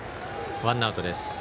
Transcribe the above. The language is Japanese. ワンアウトです。